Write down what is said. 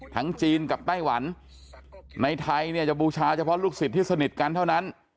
จีนกับไต้หวันในไทยเนี่ยจะบูชาเฉพาะลูกศิษย์ที่สนิทกันเท่านั้น